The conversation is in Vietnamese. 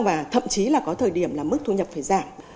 và thậm chí là có thời điểm là mức thu nhập phải giảm